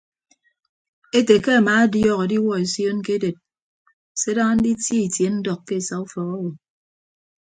Ete ke amaadiọk adiwuọ esion ke eded se daña nditie itie ndọk ke esa ufọk owo.